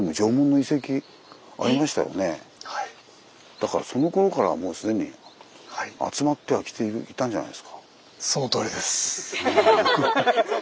だからそのころからもう既に集まってはきていたんじゃないですか？